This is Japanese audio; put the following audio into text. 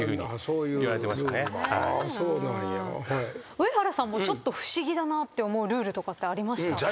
上原さんもちょっと不思議だなって思うルールとかってありました？